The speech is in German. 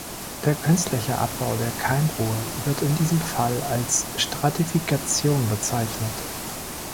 Der künstliche Abbau der Keimruhe wird in diesem Fall als Stratifikation bezeichnet.